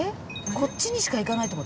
こっちにしか行かないって事？